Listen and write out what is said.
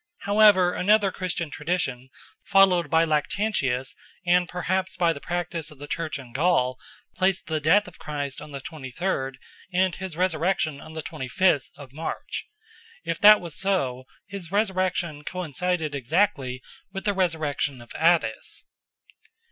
However, another Christian tradition, followed by Lactantius and perhaps by the practice of the Church in Gaul, placed the death of Christ on the twenty third and his resurrection on the twenty fifth of March. If that was so, his resurrection coincided exactly with the resurrection of Attis.